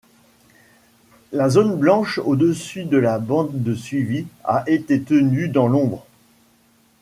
La zone blanche au-dessus de la bande de suivi a été tenue dans l'ombre.